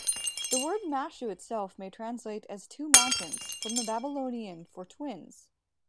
The word "Mashu" itself may translate as "two mountains", from the Babylonian for "twins".